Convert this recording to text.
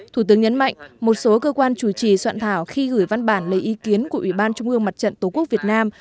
thủ tướng nhấn mạnh một số cơ quan chủ trì soạn thảo khi gửi văn bản lấy ý kiến của ủy ban trung ương mặt trận tổ quốc việt nam